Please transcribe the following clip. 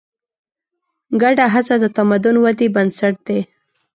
ګډه هڅه د تمدن ودې بنسټ دی.